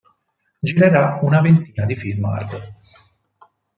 Girerà una ventina di film hard.